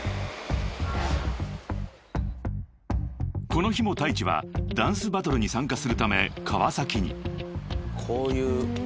［この日もＴａｉｃｈｉはダンスバトルに参加するため川崎に］